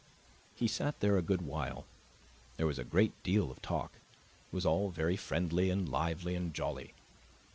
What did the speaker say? He sat there a good while: there was a great deal of talk; it was all very friendly and lively and jolly.